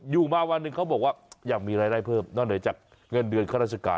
อยู่มาวันหนึ่งเขาบอกว่าอยากมีรายได้เพิ่มนอกเหนือจากเงินเดือนข้าราชการ